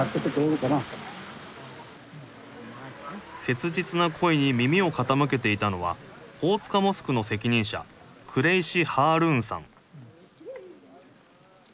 切実な声に耳を傾けていたのは大塚モスクの責任者クレイシハールーンさん